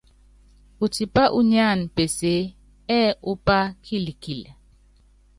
Utipá unyáan peseé ɛ́ɛ upá kilkil.